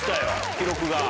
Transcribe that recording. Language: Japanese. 記録が。